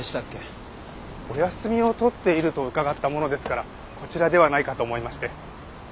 お休みを取っていると伺ったものですからこちらではないかと思いまして。